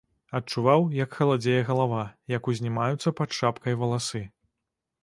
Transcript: Адчуваў, як халадзее галава, як узнімаюцца пад шапкай валасы.